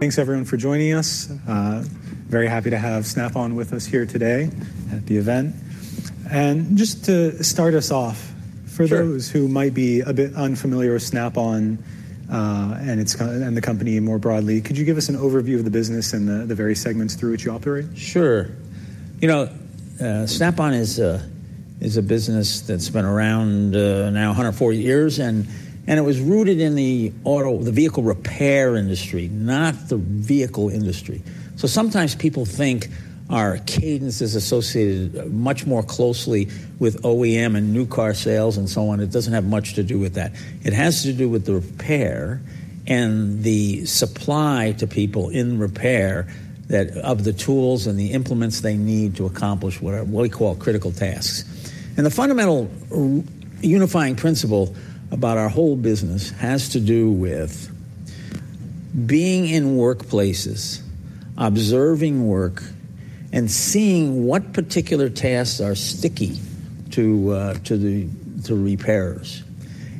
Thanks, everyone, for joining us. Very happy to have Snap-on with us here today at the event. Just to start us off, for those who might be a bit unfamiliar with Snap-on, and its company more broadly, could you give us an overview of the business and the very segments through which you operate? Sure. You know, Snap-on is a business that's been around, now 140 years, and it was rooted in the auto, the vehicle repair industry, not the vehicle industry. So sometimes people think our cadence is associated much more closely with OEM and new car sales and so on. It doesn't have much to do with that. It has to do with the repair and the supply to people in repair of the tools and the implements they need to accomplish what we call critical tasks. And the fundamental unifying principle about our whole business has to do with being in workplaces, observing work, and seeing what particular tasks are sticky to the repairers,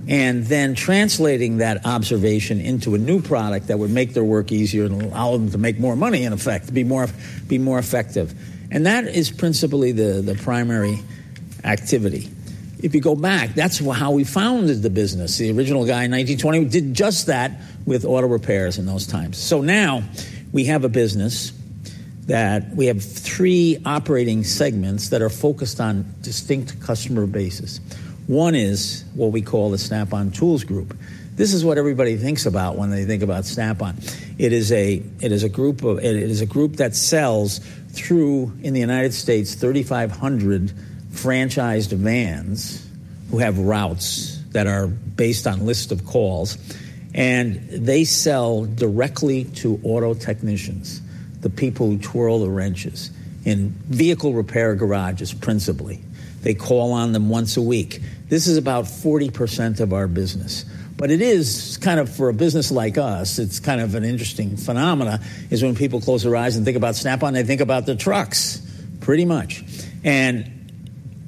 and then translating that observation into a new product that would make their work easier and allow them to make more money, in effect, be more effective. And that is principally the primary activity. If you go back, that's how we founded the business, the original guy in 1920 who did just that with auto repairs in those times. So now we have a business that we have three operating segments that are focused on distinct customer bases. One is what we call the Snap-on Tools Group. This is what everybody thinks about when they think about Snap-on. It is a group that sells through, in the United States, 3,500 franchised vans who have routes that are based on list of calls. And they sell directly to auto technicians, the people who twirl the wrenches, in vehicle repair garages principally. They call on them once a week. This is about 40% of our business. But it is kind of for a business like us, it's kind of an interesting phenomenon, is when people close their eyes and think about Snap-on, they think about the trucks, pretty much. And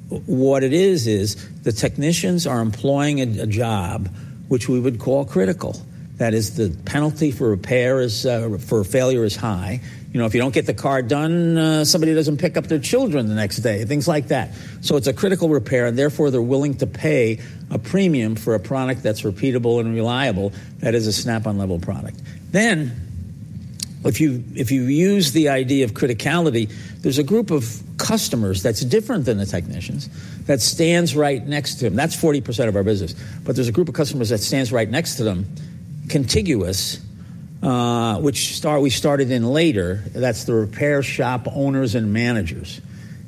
what it is, is the technicians are employing a job which we would call critical. That is, the penalty for repair is for failure is high. You know, if you don't get the car done, somebody doesn't pick up their children the next day, things like that. So it's a critical repair, and therefore they're willing to pay a premium for a product that's repeatable and reliable that is a Snap-on level product. Then, if you use the idea of criticality, there's a group of customers that's different than the technicians that stands right next to them. That's 40% of our business. But there's a group of customers that stands right next to them, contiguous, which we started in later. That's the repair shop owners and managers.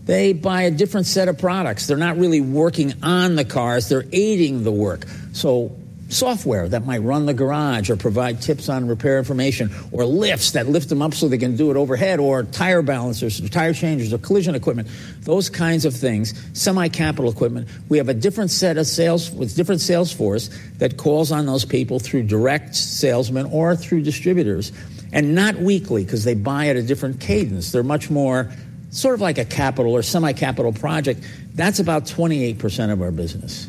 They buy a different set of products. They're not really working on the cars. They're aiding the work. So software that might run the garage or provide tips on repair information, or lifts that lift them up so they can do it overhead, or tire balancers, tire changers, or collision equipment, those kinds of things, semi-capital equipment, we have a different set of sales with different sales force that calls on those people through direct salesmen or through distributors. And not weekly, because they buy at a different cadence. They're much more sort of like a capital or semi-capital project. That's about 28% of our business.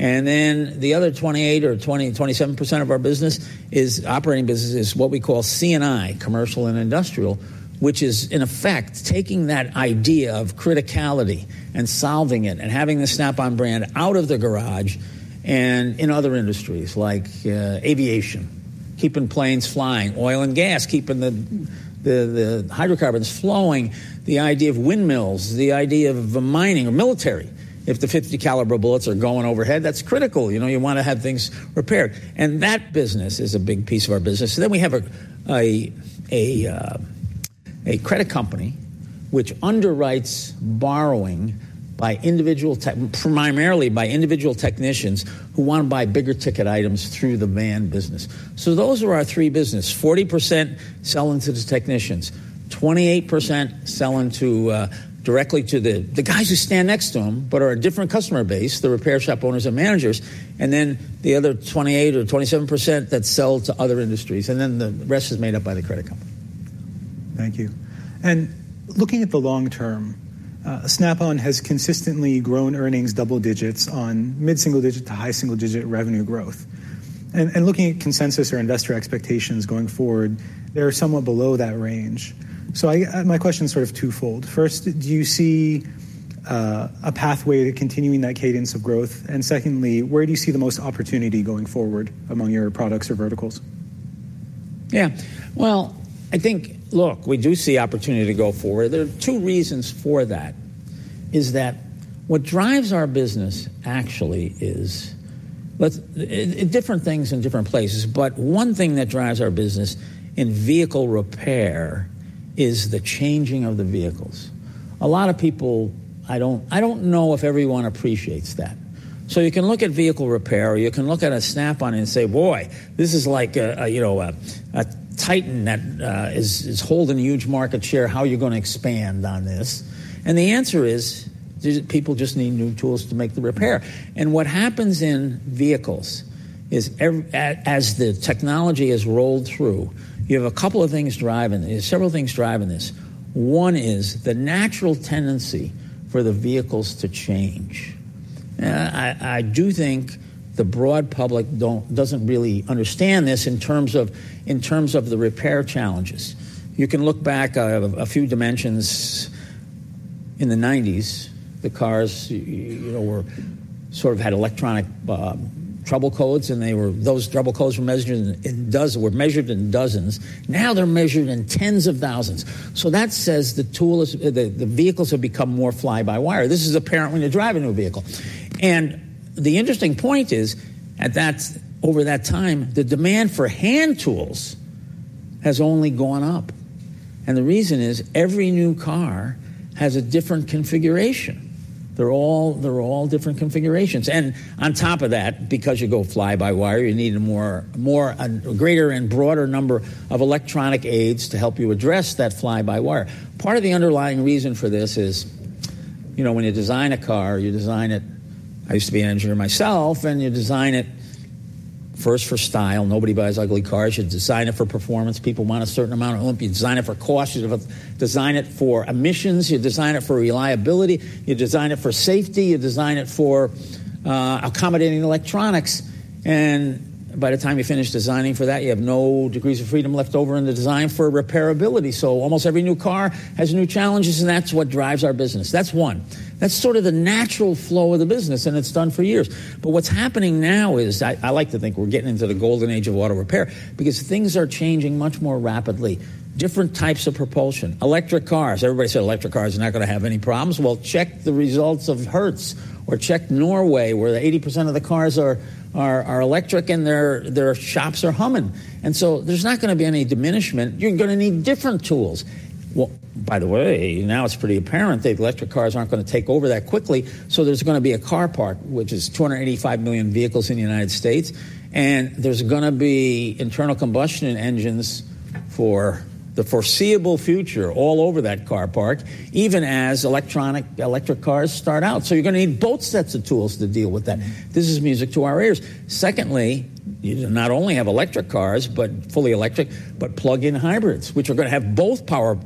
Then the other 28% or 27% of our business is operating business is what we call C&I, commercial and industrial, which is, in effect, taking that idea of criticality and solving it and having the Snap-on brand out of the garage and in other industries like aviation, keeping planes flying, oil and gas, keeping the hydrocarbons flowing, the idea of windmills, the idea of the mining or military. If the .50 caliber bullets are going overhead, that's critical. You want to have things repaired. And that business is a big piece of our business. Then we have a credit company which underwrites borrowing by individual primarily by individual technicians who want to buy bigger ticket items through the van business. Those are our three businesses: 40% selling to the technicians, 28% selling directly to the guys who stand next to them but are a different customer base, the repair shop owners and managers, and then the other 28 or 27% that sell to other industries. Then the rest is made up by the credit company. Thank you. Looking at the long term, Snap-on has consistently grown earnings double-digit on mid-single-digit to high-single-digit revenue growth. Looking at consensus or investor expectations going forward, they're somewhat below that range. So my question's sort of twofold. First, do you see a pathway to continuing that cadence of growth? And secondly, where do you see the most opportunity going forward among your products or verticals? Yeah. Well, I think, look, we do see opportunity to go forward. There are two reasons for that. Is that what drives our business actually is different things in different places. But one thing that drives our business in vehicle repair is the changing of the vehicles. A lot of people, I don't know if everyone appreciates that. So you can look at vehicle repair, or you can look at a Snap-on and say, boy, this is like a titan that is holding a huge market share. How are you going to expand on this? And the answer is, people just need new tools to make the repair. And what happens in vehicles is, as the technology has rolled through, you have a couple of things driving this. Several things driving this. One is the natural tendency for the vehicles to change. I do think the broad public doesn't really understand this in terms of the repair challenges. You can look back a few dimensions. In the 1990s, the cars sort of had electronic trouble codes, and those trouble codes were measured in dozens. Now they're measured in tens of thousands. So that says the tool is the vehicles have become more fly-by-wire. This is apparently the drive-by-wire vehicle. And the interesting point is, over that time, the demand for hand tools has only gone up. And the reason is, every new car has a different configuration. They're all different configurations. And on top of that, because you go fly-by-wire, you need a greater and broader number of electronic aids to help you address that fly-by-wire. Part of the underlying reason for this is, you know, when you design a car, you design it. I used to be an engineer myself, and you design it first for style. Nobody buys ugly cars. You design it for performance. People want a certain amount of oomph. You design it for cost. You design it for emissions. You design it for reliability. You design it for safety. You design it for accommodating electronics. And by the time you finish designing for that, you have no degrees of freedom left over in the design for repairability. So almost every new car has new challenges, and that's what drives our business. That's one. That's sort of the natural flow of the business, and it's done for years. But what's happening now is I like to think we're getting into the golden age of auto repair because things are changing much more rapidly. Different types of propulsion. Electric cars. Everybody said electric cars are not going to have any problems. Well, check the results of Hertz. Or check Norway, where 80% of the cars are electric, and their shops are humming. And so there's not going to be any diminishment. You're going to need different tools. Well, by the way, now it's pretty apparent that electric cars aren't going to take over that quickly. So there's going to be a car park, which is 285 million vehicles in the United States. And there's going to be internal combustion engines for the foreseeable future all over that car park, even as electric cars start out. So you're going to need both sets of tools to deal with that. This is music to our ears. Secondly, you do not only have electric cars but fully electric but plug-in hybrids, which are going to have both power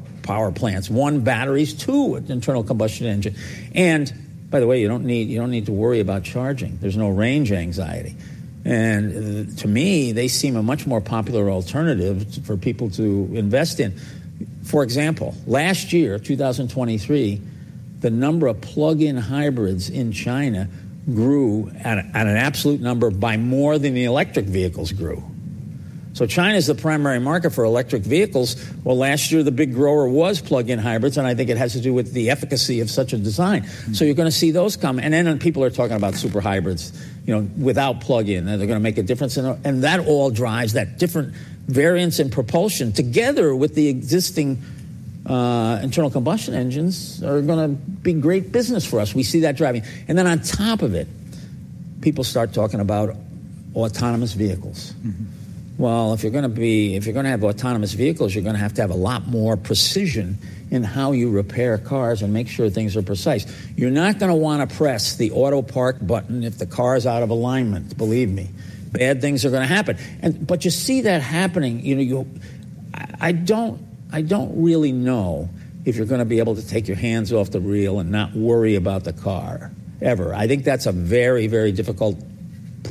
plants: one, batteries; two, internal combustion engine. And by the way, you don't need to worry about charging. There's no range anxiety. And to me, they seem a much more popular alternative for people to invest in. For example, last year, 2023, the number of plug-in hybrids in China grew at an absolute number by more than the electric vehicles grew. So China is the primary market for electric vehicles. Well, last year, the big grower was plug-in hybrids, and I think it has to do with the efficacy of such a design. So you're going to see those come. And then people are talking about superhybrids without plug-in. They're going to make a difference. And that all drives that different variance in propulsion together with the existing internal combustion engines are going to be great business for us. We see that driving. And then on top of it, people start talking about autonomous vehicles. Well, if you're going to have autonomous vehicles, you're going to have to have a lot more precision in how you repair cars and make sure things are precise. You're not going to want to press the auto park button if the car is out of alignment. Believe me. Bad things are going to happen. But you see that happening. I don't really know if you're going to be able to take your hands off the wheel and not worry about the car ever. I think that's a very, very difficult problem.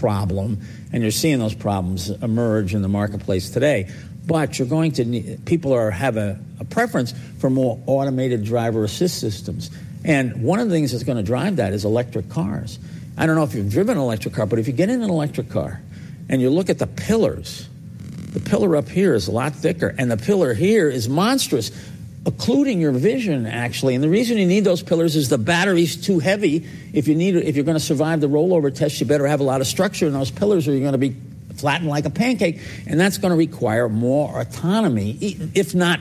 And you're seeing those problems emerge in the marketplace today. But you're going to need people have a preference for more automated driver assist systems. And one of the things that's going to drive that is electric cars. I don't know if you've driven an electric car, but if you get in an electric car and you look at the pillars, the pillar up here is a lot thicker, and the pillar here is monstrous, occluding your vision, actually. And the reason you need those pillars is the battery's too heavy. If you're going to survive the rollover test, you better have a lot of structure in those pillars, or you're going to be flattened like a pancake. And that's going to require more autonomy, if not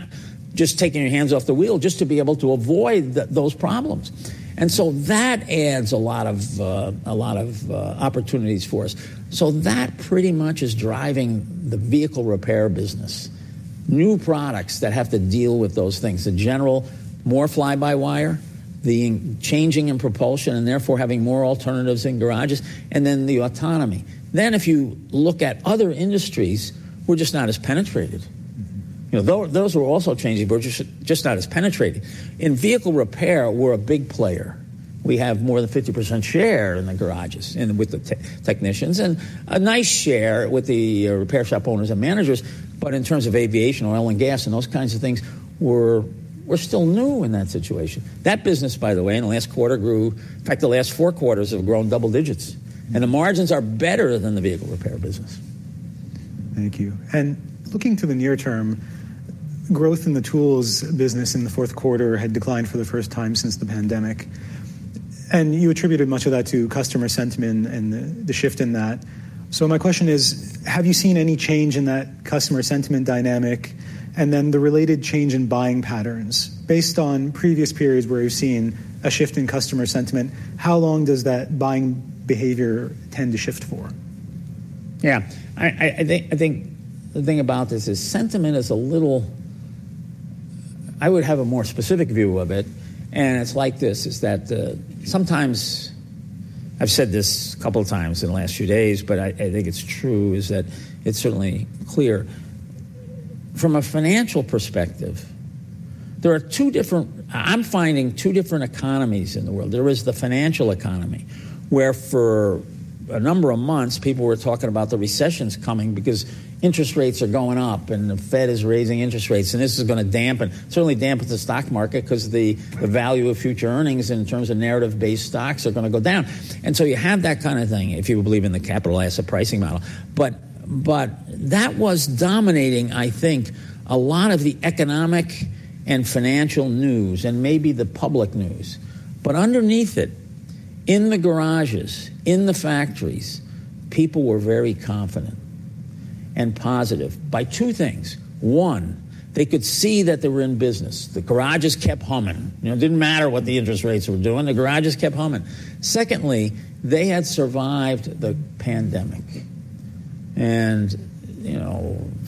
just taking your hands off the wheel, just to be able to avoid those problems. And so that adds a lot of opportunities for us. So that pretty much is driving the vehicle repair business, new products that have to deal with those things, in general, more fly-by-wire, the changing in propulsion, and therefore having more alternatives in garages, and then the autonomy. Then if you look at other industries, we're just not as penetrated. Those are also changing, but we're just not as penetrated. In vehicle repair, we're a big player. We have more than 50% share in the garages with the technicians and a nice share with the repair shop owners and managers. But in terms of aviation, oil and gas, and those kinds of things, we're still new in that situation. That business, by the way, in the last quarter grew. In fact, the last four quarters have grown double digits. And the margins are better than the vehicle repair business. Thank you. Looking to the near term, growth in the tools business in the fourth quarter had declined for the first time since the pandemic. You attributed much of that to customer sentiment and the shift in that. So my question is, have you seen any change in that customer sentiment dynamic and then the related change in buying patterns? Based on previous periods where you've seen a shift in customer sentiment, how long does that buying behavior tend to shift for? Yeah. I think the thing about this is sentiment is a little. I would have a more specific view of it. It's like this, is that sometimes I've said this a couple of times in the last few days, but I think it's true, is that it's certainly clear. From a financial perspective, there are two different. I'm finding two different economies in the world. There is the financial economy, where for a number of months, people were talking about the recessions coming because interest rates are going up, and the Fed is raising interest rates, and this is going to dampen certainly dampen the stock market because the value of future earnings in terms of narrative-based stocks are going to go down. So you have that kind of thing if you believe in the capital asset pricing model. But that was dominating, I think, a lot of the economic and financial news and maybe the public news. But underneath it, in the garages, in the factories, people were very confident and positive by two things. One, they could see that they were in business. The garages kept humming. It didn't matter what the interest rates were doing. The garages kept humming. Secondly, they had survived the pandemic. And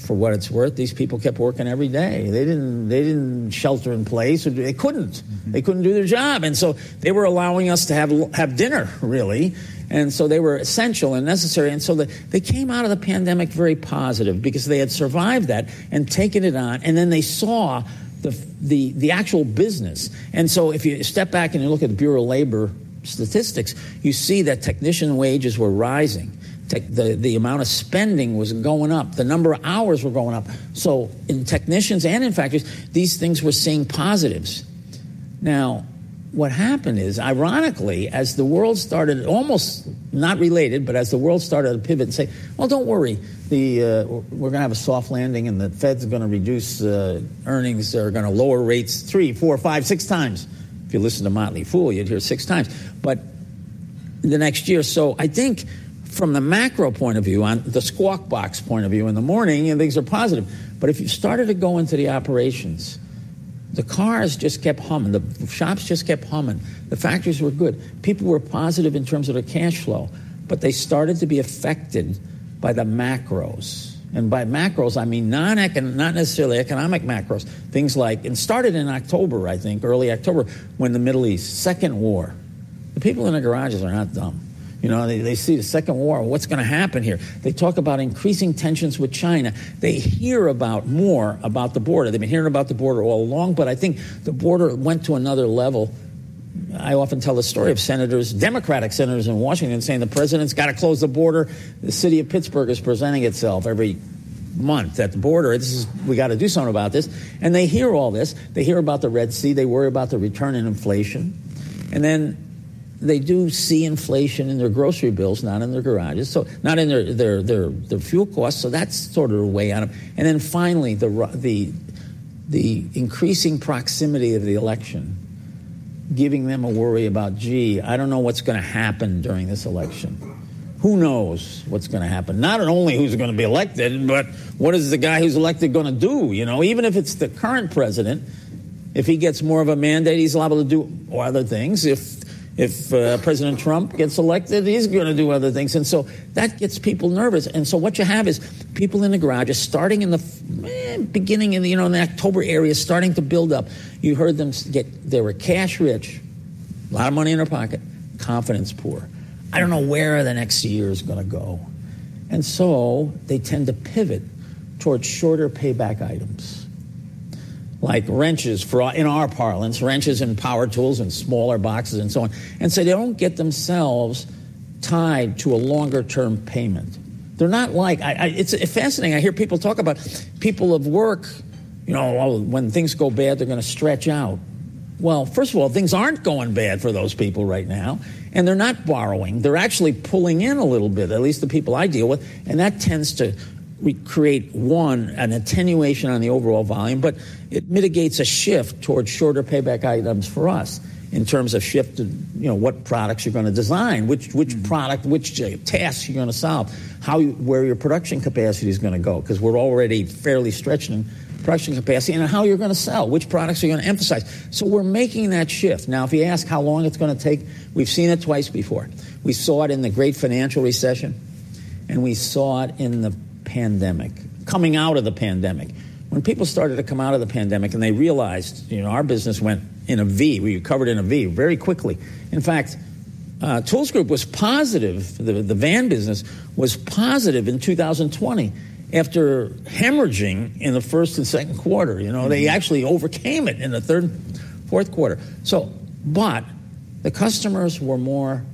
for what it's worth, these people kept working every day. They didn't shelter in place. They couldn't. They couldn't do their job. And so they were allowing us to have dinner, really. And so they were essential and necessary. And so they came out of the pandemic very positive because they had survived that and taken it on. And then they saw the actual business. So if you step back and you look at the Bureau of Labor Statistics, you see that technician wages were rising. The amount of spending was going up. The number of hours were going up. So in technicians and in factories, these things were seeing positives. Now, what happened is, ironically, as the world started almost not related, but as the world started to pivot and say, well, don't worry. We're going to have a soft landing, and the Fed's going to reduce earnings. They're going to lower rates 3, 4, 5, 6 times. If you listen to Motley Fool, you'd hear 6 times. But the next year or so I think from the macro point of view, on the Squawk Box point of view in the morning, things are positive. But if you started to go into the operations, the cars just kept humming. The shops just kept humming. The factories were good. People were positive in terms of their cash flow. But they started to be affected by the macros. And by macros, I mean not necessarily economic macros. Things like it started in October, I think, early October, when the Middle East second war, the people in the garages are not dumb. They see the second war. What's going to happen here? They talk about increasing tensions with China. They hear more about the border. They've been hearing about the border all along. But I think the border went to another level. I often tell the story of Democratic senators in Washington saying, "the president's got to close the border. The city of Pittsburgh is presenting itself every month at the border. We got to do something about this." And they hear all this. They hear about the Red Sea. They worry about the return in inflation. And then they do see inflation in their grocery bills, not in their garages, not in their fuel costs. So that's sort of a way out of it. And then finally, the increasing proximity of the election giving them a worry about, gee, I don't know what's going to happen during this election. Who knows what's going to happen? Not only who's going to be elected, but what is the guy who's elected going to do? Even if it's the current president, if he gets more of a mandate, he's allowed to do other things. If President Trump gets elected, he's going to do other things. And so that gets people nervous. And so what you have is people in the garages starting in the beginning in the October area starting to build up. You heard them get they were cash-rich, a lot of money in their pocket, confidence poor. I don't know where the next year is going to go. So they tend to pivot towards shorter payback items, like wrenches in our parlance, wrenches and power tools and smaller boxes and so on, and so they don't get themselves tied to a longer-term payment. They're not. Like, it's fascinating. I hear people talk about people of work, when things go bad, they're going to stretch out. Well, first of all, things aren't going bad for those people right now. They're not borrowing. They're actually pulling in a little bit, at least the people I deal with. That tends to recreate, one, an attenuation on the overall volume. But it mitigates a shift towards shorter payback items for us in terms of shift to what products you're going to design, which product, which task you're going to solve, where your production capacity is going to go because we're already fairly stretched in production capacity, and how you're going to sell, which products you're going to emphasize. So we're making that shift. Now, if you ask how long it's going to take, we've seen it twice before. We saw it in the Great Financial Recession, and we saw it in the pandemic, coming out of the pandemic. When people started to come out of the pandemic and they realized our business went in a V, we were recovered in a V very quickly. In fact, Tools Group was positive. The van business was positive in 2020 after hemorrhaging in the first and second quarter. They actually overcame it in the third, fourth quarter. But the customers were more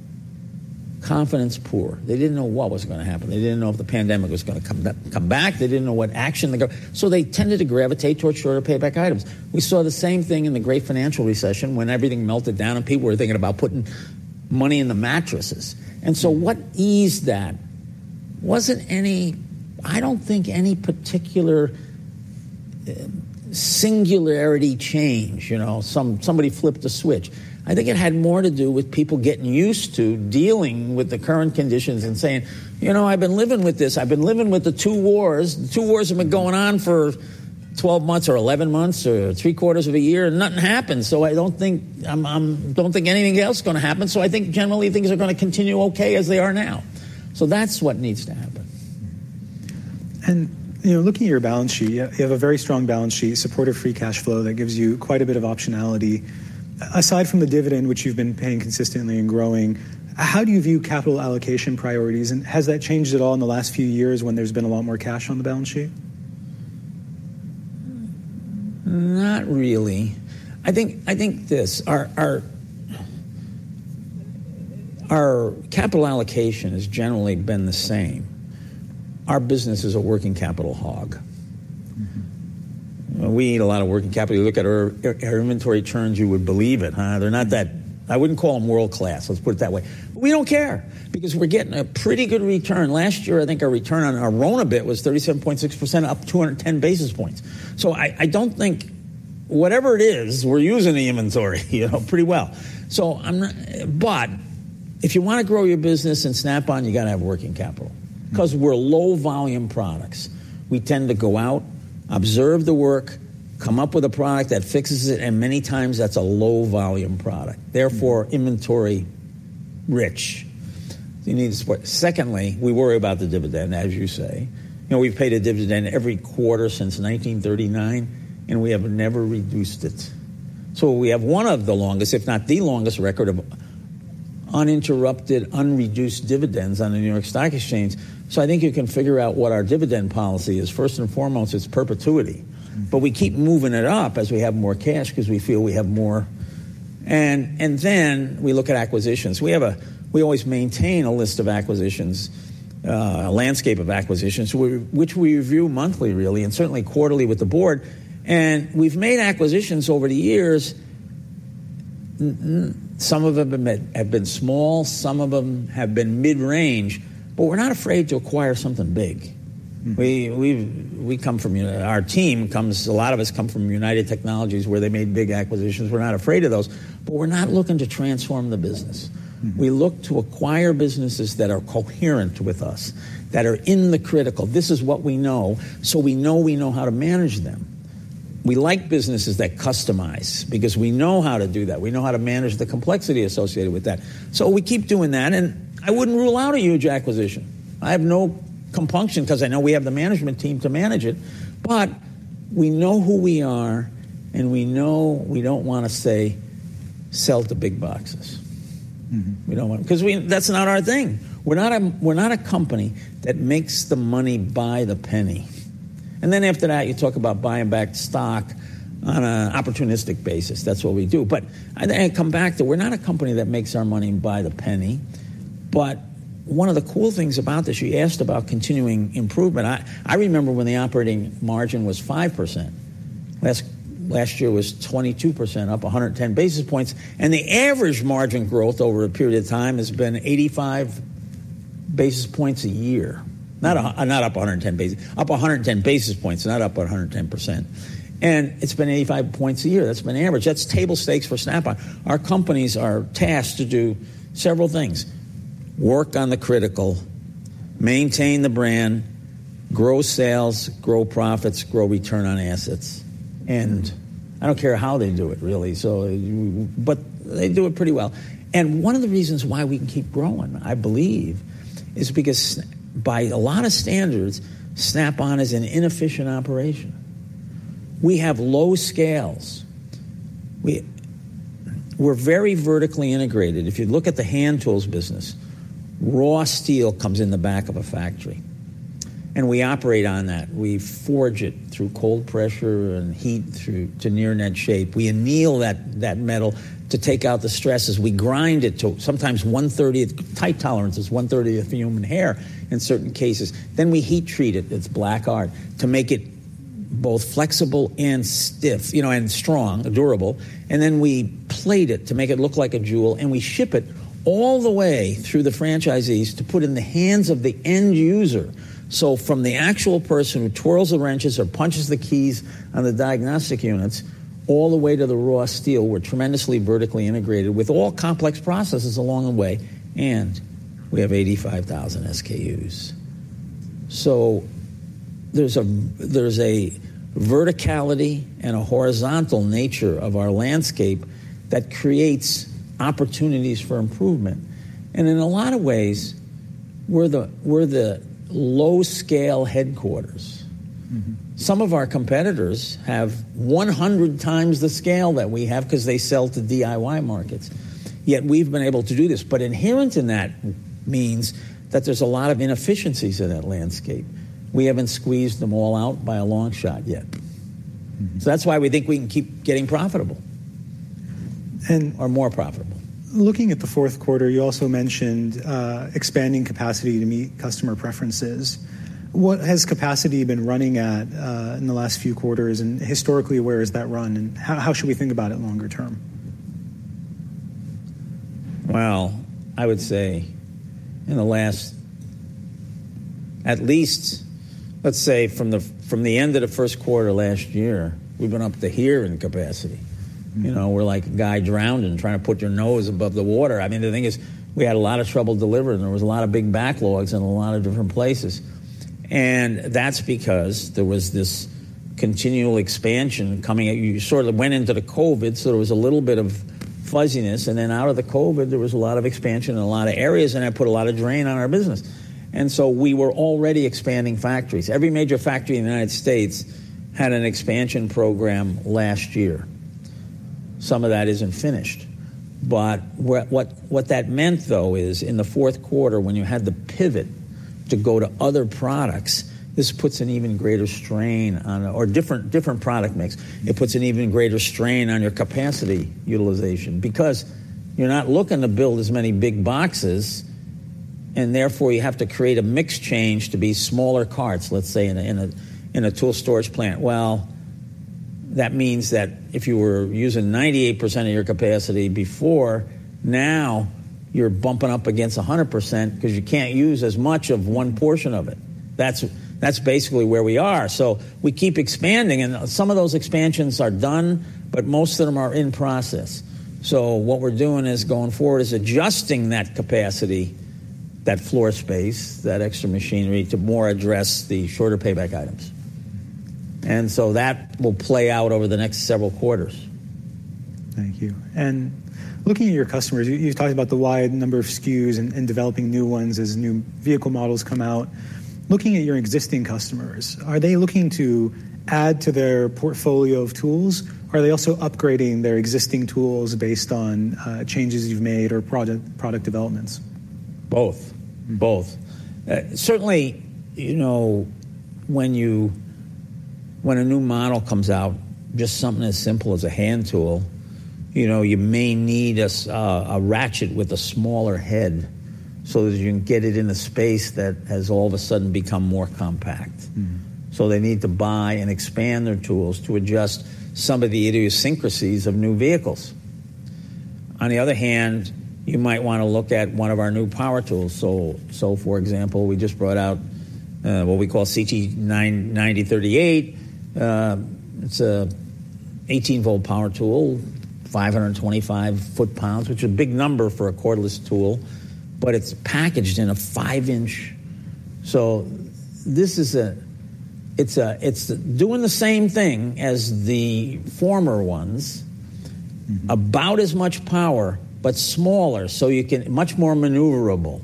confidence poor. They didn't know what was going to happen. They didn't know if the pandemic was going to come back. They didn't know what action to go. So they tended to gravitate towards shorter payback items. We saw the same thing in the Great Financial Recession when everything melted down, and people were thinking about putting money in the mattresses. And so what eased that? I don't think any particular singularity change. Somebody flipped the switch. I think it had more to do with people getting used to dealing with the current conditions and saying, I've been living with this. I've been living with the two wars. The two wars have been going on for 12 months or 11 months or three quarters of a year, and nothing happened. I don't think anything else is going to happen. I think, generally, things are going to continue OK as they are now. That's what needs to happen. Looking at your balance sheet, you have a very strong balance sheet, supportive free cash flow that gives you quite a bit of optionality. Aside from the dividend, which you've been paying consistently and growing, how do you view capital allocation priorities? And has that changed at all in the last few years when there's been a lot more cash on the balance sheet? Not really. I think this. Our capital allocation has generally been the same. Our business is a working capital hog. We eat a lot of working capital. You look at our inventory turns, you would believe it. They're not that I wouldn't call them world-class. Let's put it that way. But we don't care because we're getting a pretty good return. Last year, I think our return on our RONA was 37.6%, up 210 basis points. So I don't think whatever it is, we're using the inventory pretty well. But if you want to grow your business and Snap-on, you got to have working capital because we're low-volume products. We tend to go out, observe the work, come up with a product that fixes it. And many times, that's a low-volume product, therefore inventory-rich. Secondly, we worry about the dividend, as you say. We've paid a dividend every quarter since 1939, and we have never reduced it. So we have one of the longest, if not the longest, record of uninterrupted, unreduced dividends on the New York Stock Exchange. So I think you can figure out what our dividend policy is. First and foremost, it's perpetuity. But we keep moving it up as we have more cash because we feel we have more. And then we look at acquisitions. We always maintain a list of acquisitions, a landscape of acquisitions, which we review monthly, really, and certainly quarterly with the board. And we've made acquisitions over the years. Some of them have been small. Some of them have been mid-range. But we're not afraid to acquire something big. Our team comes a lot of us come from United Technologies, where they made big acquisitions. We're not afraid of those. But we're not looking to transform the business. We look to acquire businesses that are coherent with us, that are in the critical. This is what we know. So we know we know how to manage them. We like businesses that customize because we know how to do that. We know how to manage the complexity associated with that. So we keep doing that. And I wouldn't rule out a huge acquisition. I have no compunction because I know we have the management team to manage it. But we know who we are, and we know we don't want to say, sell to big boxes. We don't want to because that's not our thing. We're not a company that makes the money by the penny. And then after that, you talk about buying back stock on an opportunistic basis. That's what we do. But I come back to we're not a company that makes our money by the penny. But one of the cool things about this you asked about continuing improvement. I remember when the operating margin was 5%. Last year was 22%, up 110 basis points. And the average margin growth over a period of time has been 85 basis points a year, not up 110 basis points. Not up 110%. And it's been 85 points a year. That's been average. That's table stakes for Snap-on. Our companies are tasked to do several things: work on the critical, maintain the brand, grow sales, grow profits, grow return on assets. And I don't care how they do it, really. But they do it pretty well. And one of the reasons why we can keep growing, I believe, is because by a lot of standards, Snap-on is an inefficient operation. We have low scales. We're very vertically integrated. If you look at the hand tools business, raw steel comes in the back of a factory. And we operate on that. We forge it through cold pressure and heat to near net shape. We anneal that metal to take out the stresses. We grind it to sometimes 1/30th tight tolerance, is 1/30th of a human hair in certain cases. Then we heat treat it. It's black art to make it both flexible and stiff and strong, durable. And then we plate it to make it look like a jewel. And we ship it all the way through the franchisees to put in the hands of the end user. So from the actual person who twirls the wrenches or punches the keys on the diagnostic units all the way to the raw steel, we're tremendously vertically integrated with all complex processes along the way. And we have 85,000 SKUs. So there's a verticality and a horizontal nature of our landscape that creates opportunities for improvement. And in a lot of ways, we're the low-scale headquarters. Some of our competitors have 100 times the scale that we have because they sell to DIY markets. Yet we've been able to do this. But inherent in that means that there's a lot of inefficiencies in that landscape. We haven't squeezed them all out by a long shot yet. So that's why we think we can keep getting profitable or more profitable. Looking at the fourth quarter, you also mentioned expanding capacity to meet customer preferences. What has capacity been running at in the last few quarters? And historically, where has that run? And how should we think about it longer term? Well, I would say in the last at least, let's say, from the end of the first quarter last year, we've been up to here in capacity. We're like a guy drowning trying to put your nose above the water. I mean, the thing is, we had a lot of trouble delivering. There was a lot of big backlogs in a lot of different places. And that's because there was this continual expansion coming at you. You sort of went into the COVID, so there was a little bit of fuzziness. And then out of the COVID, there was a lot of expansion in a lot of areas. And that put a lot of drain on our business. And so we were already expanding factories. Every major factory in the United States had an expansion program last year. Some of that isn't finished. But what that meant, though, is in the fourth quarter, when you had the pivot to go to other products, this puts an even greater strain on your different product mix. It puts an even greater strain on your capacity utilization because you're not looking to build as many big boxes. And therefore, you have to create a mix change to be smaller carts, let's say, in a tool storage plant. Well, that means that if you were using 98% of your capacity before, now you're bumping up against 100% because you can't use as much of one portion of it. That's basically where we are. So we keep expanding. And some of those expansions are done, but most of them are in process. So what we're doing going forward is adjusting that capacity, that floor space, that extra machinery to more address the shorter payback items. That will play out over the next several quarters. Thank you. Looking at your customers, you talked about the wide number of SKUs and developing new ones as new vehicle models come out. Looking at your existing customers, are they looking to add to their portfolio of tools? Are they also upgrading their existing tools based on changes you've made or product developments? Both. Both. Certainly, when a new model comes out, just something as simple as a hand tool, you may need a ratchet with a smaller head so that you can get it in a space that has all of a sudden become more compact. So they need to buy and expand their tools to adjust some of the idiosyncrasies of new vehicles. On the other hand, you might want to look at one of our new power tools. So for example, we just brought out what we call CT9038. It's an 18-volt power tool, 525 foot-pounds, which is a big number for a cordless tool. But it's packaged in a 5-inch. So it's doing the same thing as the former ones, about as much power but smaller, so much more maneuverable.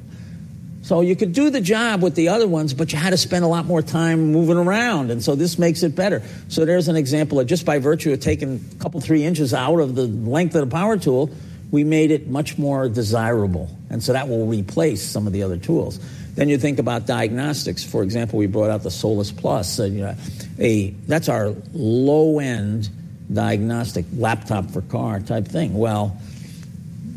So you could do the job with the other ones, but you had to spend a lot more time moving around. And so this makes it better. So there's an example of just by virtue of taking a couple of three inches out of the length of the power tool, we made it much more desirable. And so that will replace some of the other tools. Then you think about diagnostics. For example, we brought out the SOLUS+. That's our low-end diagnostic laptop-for-car type thing. Well,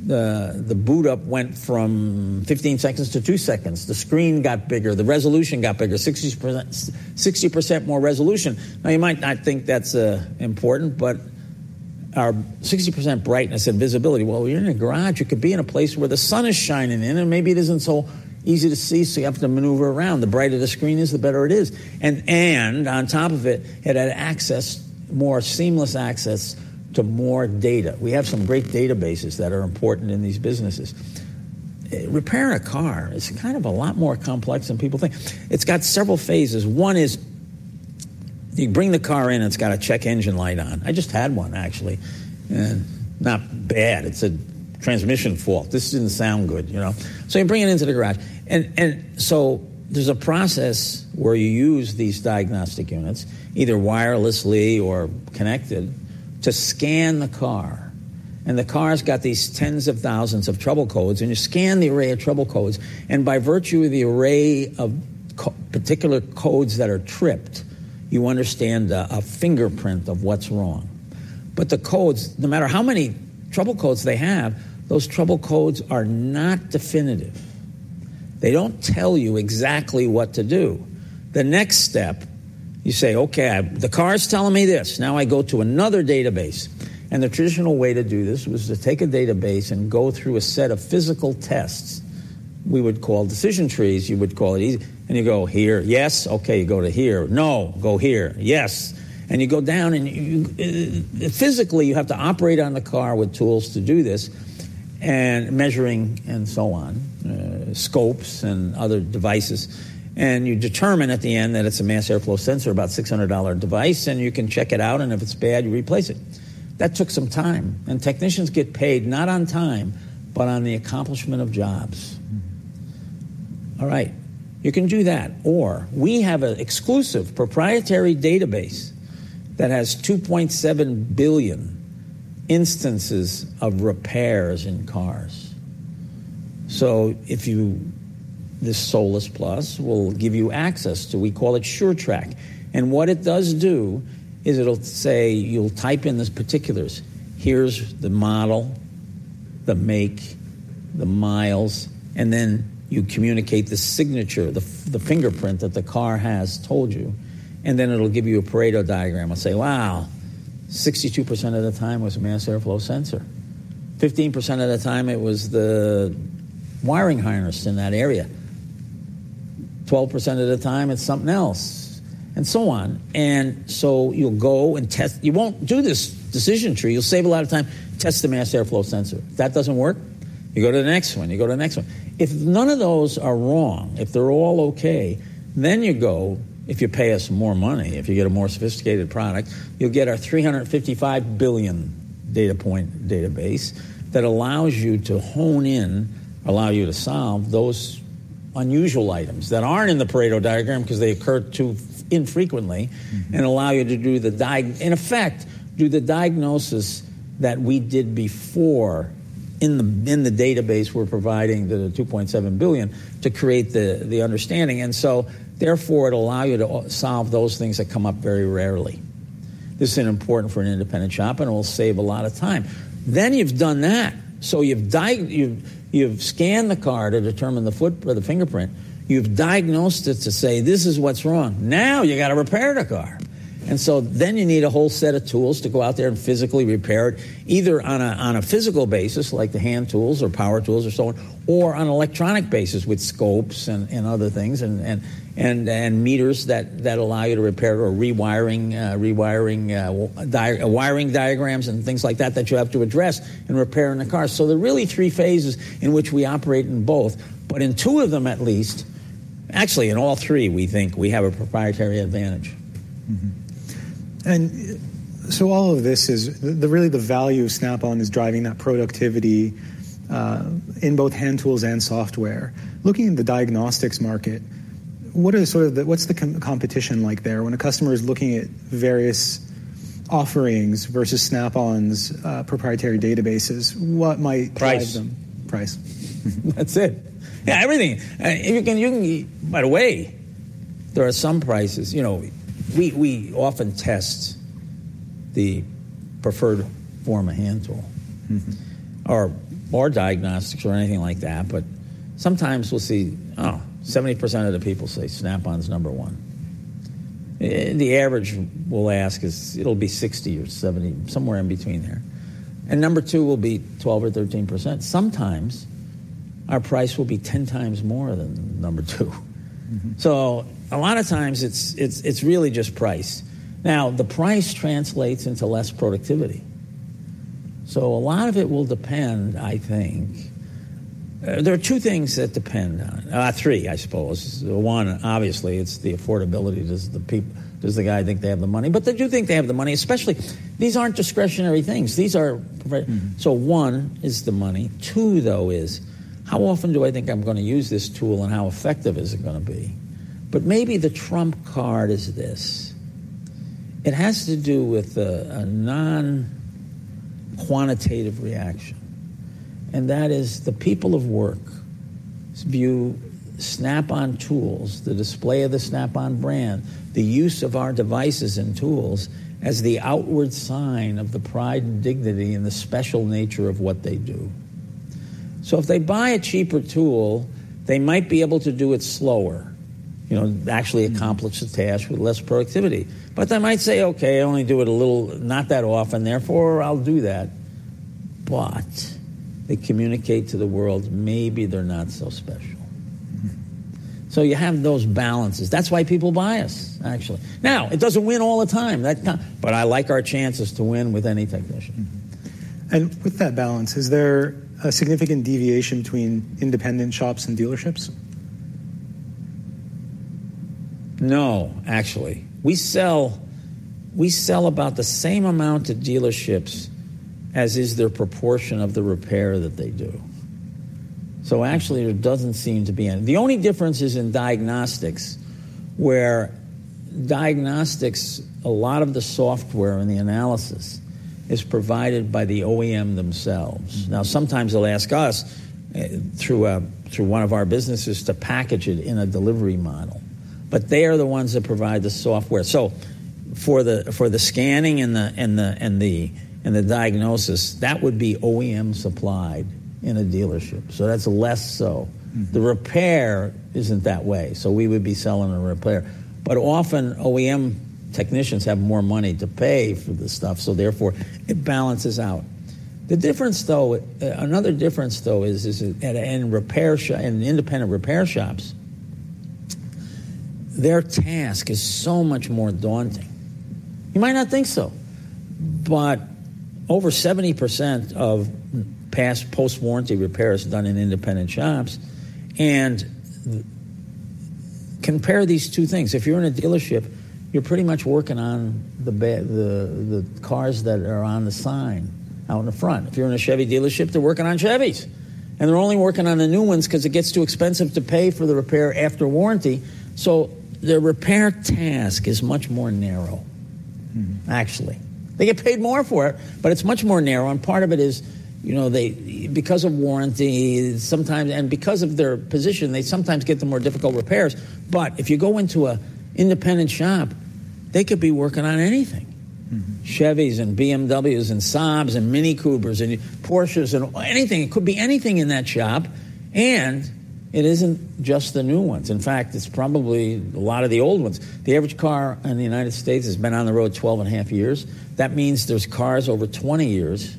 the boot-up went from 15 seconds to 2 seconds. The screen got bigger. The resolution got bigger, 60% more resolution. Now, you might not think that's important. But our 60% brightness and visibility. Well, you're in a garage. You could be in a place where the sun is shining in, and maybe it isn't so easy to see. So you have to maneuver around. The brighter the screen is, the better it is. And on top of it, it had access, more seamless access to more data. We have some great databases that are important in these businesses. Repairing a car is kind of a lot more complex than people think. It's got several phases. One is you bring the car in, and it's got a check engine light on. I just had one, actually. Not bad. It's a transmission fault. This didn't sound good. So you bring it into the garage. And so there's a process where you use these diagnostic units, either wirelessly or connected, to scan the car. And the car's got these tens of thousands of trouble codes. And you scan the array of trouble codes. And by virtue of the array of particular codes that are tripped, you understand a fingerprint of what's wrong. But the codes, no matter how many trouble codes they have, those trouble codes are not definitive. They don't tell you exactly what to do. The next step, you say, OK, the car's telling me this. Now I go to another database. And the traditional way to do this was to take a database and go through a set of physical tests we would call decision trees. You would call it easy. And you go, here. Yes. OK, you go to here. No. Go here. Yes. And you go down. And physically, you have to operate on the car with tools to do this, and measuring and so on, scopes and other devices. And you determine at the end that it's a mass airflow sensor, about $600 device. You can check it out. If it's bad, you replace it. That took some time. Technicians get paid not on time but on the accomplishment of jobs. All right. You can do that. Or we have an exclusive proprietary database that has 2.7 billion instances of repairs in cars. So this SOLUS+ will give you access to, we call it SureTrack. And what it does do is it'll say you'll type in this particulars. Here's the model, the make, the miles. And then you communicate the signature, the fingerprint that the car has told you. And then it'll give you a Pareto diagram. It'll say, wow, 62% of the time it was a mass airflow sensor. 15% of the time, it was the wiring harness in that area. 12% of the time, it's something else, and so on. And so you'll go and test. You won't do this decision tree. You'll save a lot of time. Test the mass airflow sensor. If that doesn't work, you go to the next one. You go to the next one. If none of those are wrong, if they're all OK, then you go if you pay us more money, if you get a more sophisticated product, you'll get our 355 billion data point database that allows you to hone in, allow you to solve those unusual items that aren't in the Pareto diagram because they occur too infrequently, and allow you to do the in effect, do the diagnosis that we did before in the database we're providing that are 2.7 billion to create the understanding. And so therefore, it'll allow you to solve those things that come up very rarely. This is important for an independent shop, and it will save a lot of time. Then you've done that. So you've scanned the car to determine the fingerprint. You've diagnosed it to say, this is what's wrong. Now you've got to repair the car. And so then you need a whole set of tools to go out there and physically repair it, either on a physical basis, like the hand tools or power tools or so on, or on an electronic basis with scopes and other things and meters that allow you to repair it or rewiring diagrams and things like that that you have to address in repairing the car. So there are really three phases in which we operate in both. But in two of them at least actually, in all three, we think we have a proprietary advantage. And so all of this is really the value of Snap-on is driving that productivity in both hand tools and software. Looking at the diagnostics market, what's the competition like there? When a customer is looking at various offerings versus Snap-on's proprietary databases, what might drive them? Price. Price. That's it. Yeah, everything. By the way, there are some prices. We often test the preferred form of hand tool or diagnostics or anything like that. But sometimes we'll see, oh, 70% of the people say Snap-on is number one. The average we'll ask is it'll be 60 or 70, somewhere in between there. And number two will be 12 or 13%. Sometimes our price will be 10 times more than number two. So a lot of times, it's really just price. Now, the price translates into less productivity. So a lot of it will depend, I think. There are two things that depend on three, I suppose. One, obviously, it's the affordability. Does the guy think they have the money? But they do think they have the money, especially these aren't discretionary things. So one is the money. Two, though, is how often do I think I'm going to use this tool, and how effective is it going to be? But maybe the trump card is this. It has to do with a non-quantitative reaction. And that is the people at work view Snap-on tools, the display of the Snap-on brand, the use of our devices and tools as the outward sign of the pride and dignity and the special nature of what they do. So if they buy a cheaper tool, they might be able to do it slower, actually accomplish the task with less productivity. But they might say, OK, I only do it a little, not that often. Therefore, I'll do that. But they communicate to the world maybe they're not so special. So you have those balances. That's why people buy us, actually. Now, it doesn't win all the time. But I like our chances to win with any technician. With that balance, is there a significant deviation between independent shops and dealerships? No, actually. We sell about the same amount to dealerships as is their proportion of the repair that they do. So actually, there doesn't seem to be any. The only difference is in diagnostics, where diagnostics, a lot of the software and the analysis is provided by the OEM themselves. Now, sometimes they'll ask us through one of our businesses to package it in a delivery model. But they are the ones that provide the software. So for the scanning and the diagnosis, that would be OEM supplied in a dealership. So that's less so. The repair isn't that way. So we would be selling a repair. But often, OEM technicians have more money to pay for the stuff. So therefore, it balances out. The difference, though, another difference, though, is that independent repair shops, their task is so much more daunting. You might not think so. But over 70% of past post-warranty repairs are done in independent shops. And compare these two things. If you're in a dealership, you're pretty much working on the cars that are on the sign out in the front. If you're in a Chevy dealership, they're working on Chevys. And they're only working on the new ones because it gets too expensive to pay for the repair after warranty. So their repair task is much more narrow, actually. They get paid more for it, but it's much more narrow. And part of it is because of warranty. And because of their position, they sometimes get the more difficult repairs. But if you go into an independent shop, they could be working on anything: Chevys and BMWs and Saabs and Mini Coopers and Porsches and anything. It could be anything in that shop. And it isn't just the new ones. In fact, it's probably a lot of the old ones. The average car in the United States has been on the road 12.5 years. That means there's cars over 20 years.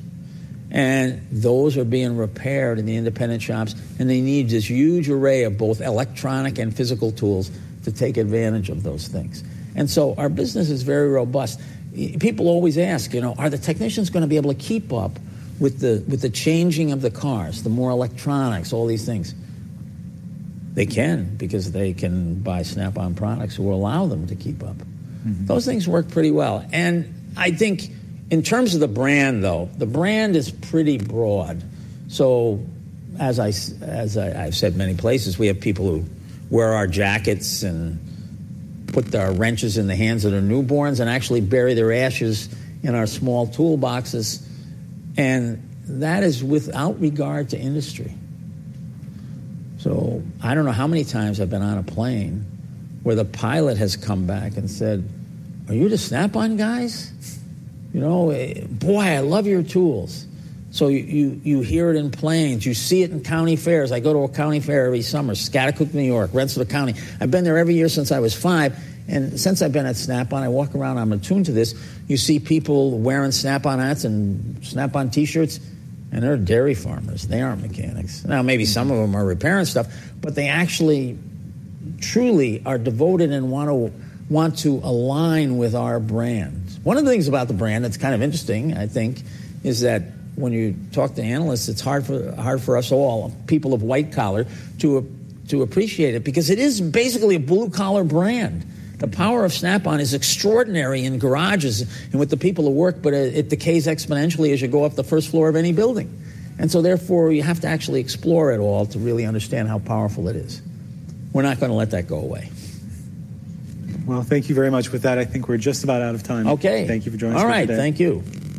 And those are being repaired in the independent shops. And they need this huge array of both electronic and physical tools to take advantage of those things. And so our business is very robust. People always ask, are the technicians going to be able to keep up with the changing of the cars, the more electronics, all these things? They can because they can buy Snap-on products who will allow them to keep up. Those things work pretty well. And I think in terms of the brand, though, the brand is pretty broad. So as I've said many places, we have people who wear our jackets and put their wrenches in the hands of their newborns and actually bury their ashes in our small toolboxes. And that is without regard to industry. So I don't know how many times I've been on a plane where the pilot has come back and said, are you the Snap-on guys? Boy, I love your tools. So you hear it in planes. You see it in county fairs. I go to a county fair every summer, Schaghticoke, New York, Rensselaer County. I've been there every year since I was five. And since I've been at Snap-on, I walk around. I'm attuned to this. You see people wearing Snap-on hats and Snap-on t-shirts. And they're dairy farmers. They aren't mechanics. Now, maybe some of them are repairing stuff. But they actually truly are devoted and want to align with our brand. One of the things about the brand that's kind of interesting, I think, is that when you talk to analysts, it's hard for us all, people of white collar, to appreciate it because it is basically a blue-collar brand. The power of Snap-on is extraordinary in garages and with the people who work. But it decays exponentially as you go up the first floor of any building. And so therefore, you have to actually explore it all to really understand how powerful it is. We're not going to let that go away. Well, thank you very much with that. I think we're just about out of time. OK. Thank you for joining us for today. All right. Thank you.